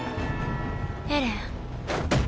エレン。